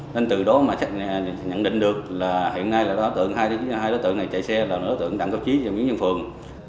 nên từ đó mà xác nhận định được là hiện nay là đối tượng hai đối tượng này chạy xe là đối tượng đặng cao trí và miếng nhân phường